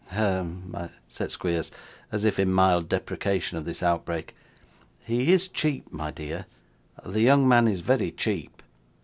'Hem!' said Squeers, as if in mild deprecation of this outbreak. 'He is cheap, my dear; the young man is very cheap.